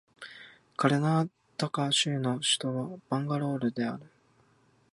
カルナータカ州の州都はバンガロールである